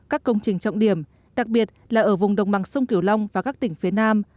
các công trình trọng điểm đặc biệt là ở vùng đồng bằng sông kiểu long và các tỉnh phía nam